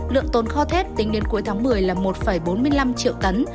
lượng tồn kho thép tính đến cuối tháng một mươi là một bốn mươi năm triệu tấn